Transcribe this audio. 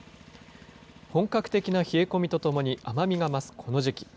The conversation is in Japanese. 本格的な冷え込みとともに、甘みが増すこの時期。